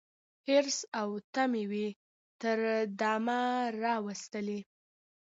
حرص او تمي وو تر دامه راوستلی